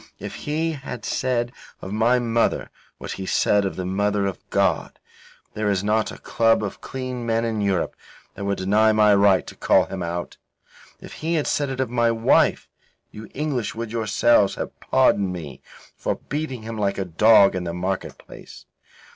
If he had said of my mother what he said of the Mother of God, there is not a club of clean men in Europe that would deny my right to call him out. If he had said it of my wife, you English would yourselves have pardoned me for beating him like a dog in the market place.